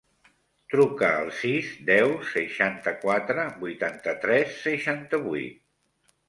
Truca al sis, deu, seixanta-quatre, vuitanta-tres, seixanta-vuit.